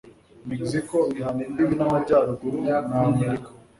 mexico ihana imbibi n'amajyaruguru na amerika